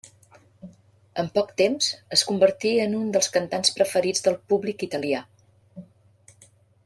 En poc temps es convertí en un dels cantants preferits del públic italià.